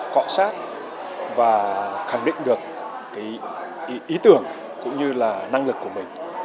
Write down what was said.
cọ sát và khẳng định được ý tưởng cũng như là năng lực của mình